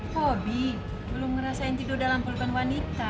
pobi belum ngerasain tidur dalam pelukan wanita